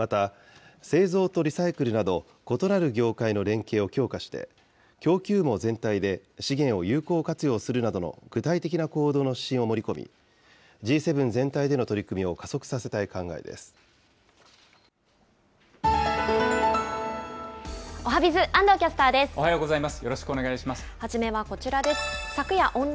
また、製造とリサイクルなど、異なる業界の連携を強化して供給網全体で資源を有効活用するなどの具体的な行動の指針を盛り込み、Ｇ７全体での取り組みを加速させおはＢｉｚ、安藤キャスターおはようございます。